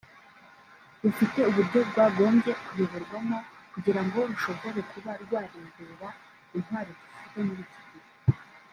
rufite uburyo rwagombye kuyoborwamo kugira ngo rushobore kuba rwarebera ku ntwari dufite muri iki gihe